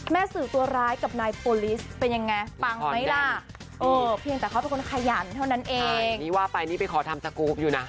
สื่อตัวร้ายกับนายโปรลิสเป็นยังไงปังไหมล่ะเออเพียงแต่เขาเป็นคนขยันเท่านั้นเองนี่ว่าไปนี่ไปขอทำสกรูปอยู่น่ะ